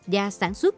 và sản xuất